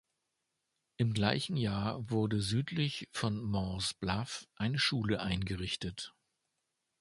Im gleichen Jahr wurde südlich von Morse Bluff eine Schule eingerichtet.